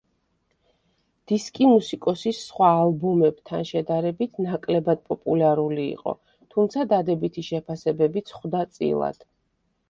დისკი მუსიკოსის სხვა ალბომებთან შედარებით ნაკლებად პოპულარული იყო, თუმცა დადებითი შეფასებებიც ხვდა წილად.